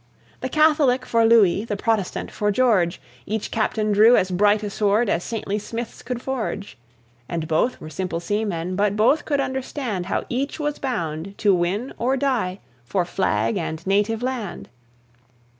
The Catholic for Louis, the Protestant for George, Each captain drew as bright a sword as saintly smiths could forge; And both were simple seamen, but both could understand How each was bound to win or die for flag and native land.